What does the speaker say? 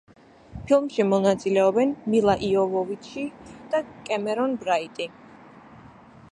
ფილმში მონაწილეობენ: მილა იოვოვიჩი და კემერონ ბრაიტი.